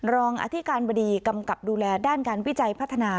รองอธิการบดีกำกับดูแลด้านการวิจัยพัฒนา